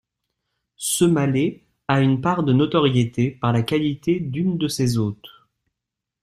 Semallé a une part de notoriété par la qualité d'une de ses hôtes.